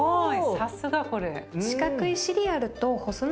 さすがこれ。